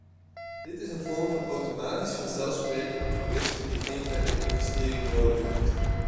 Dit is een vorm van automatisch, vanzelfsprekend toerisme dat geen verdere investeringen nodig heeft.